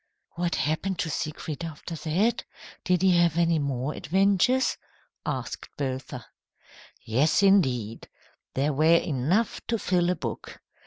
"What happened to Siegfried after that? Did he have any more adventures?" asked Bertha. "Yes, indeed. There were enough to fill a book.